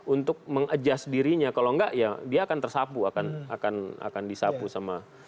untuk mengadjust dirinya kalau enggak ya dia akan tersapu akan disapu sama